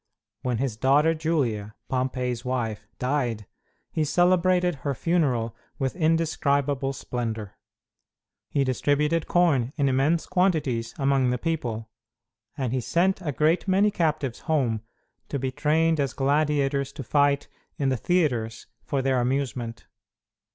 When his daughter Julia, Pompey's wife, died, he celebrated her funeral with indescribable splendor. He distributed corn in immense quantities among the people, and he sent a great many captives home, to be trained as gladiators to fight in the theatres for their amusement.